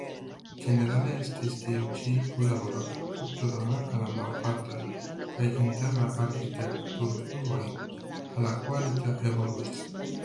Ĝenerale estis tiu ĉi kunlaboro fruktodona al ambaŭ partoj kaj interna arĥitekturpluigo altkvalita evoluis.